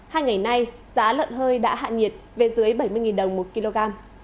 hai ngày nay giá lợn hơi đã hạ nhiệt về dưới bảy mươi đồng một kg